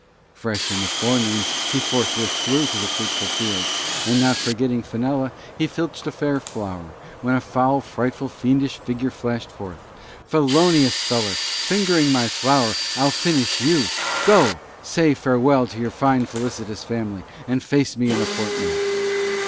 Fresh in the Forenoon he Forthwith Flew to the Fruitful Fields, and not Forgetting Fenella, he Filched a Fair Flower, when a Foul, Frightful, Fiendish Figure Flashed Forth. "Felonious Feller, Fingering my Flower, I'll Finish you! Go! Say Farewell to your Fine Felicitious Family, and Face me in a Fortnight!"